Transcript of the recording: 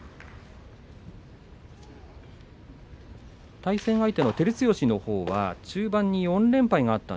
対戦相手の照強は中盤に４連敗がありました。